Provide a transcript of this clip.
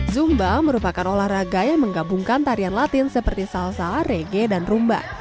zumba merupakan olahraga yang menggabungkan tarian latin seperti salsa rege dan rumba